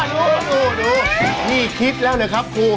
ดูนี่คิดแล้วเลยครับครู